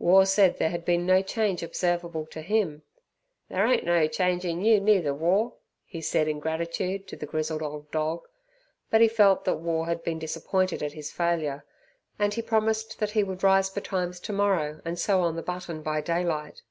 War said there had been no change observable to him. "There ain't no change in you neither, War!" he said in gratitude to the grizzled old dog. But he felt that War had been disappointed at his failure, and he promised that he would rise betimes tomorrow and sew on the button by daylight.